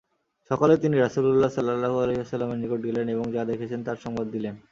সকালে তিনি রাসূলুল্লাহ সাল্লাল্লাহু আলাইহি ওয়াসাল্লামের নিকট গেলেন এবং যা দেখেছেন তার সংবাদ দিলেন।